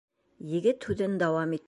Егет һүҙен дауам итте.